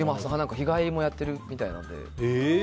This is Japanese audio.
日帰りもやってるみたいなので。